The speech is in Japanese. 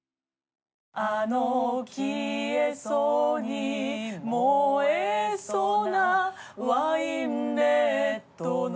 「あの消えそうに燃えそうなワインレッドの」